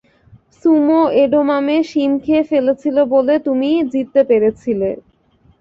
Sumo edamame শিম খেয়ে ফেলেছিল বলে তুমি জিততে পেরেছিলে।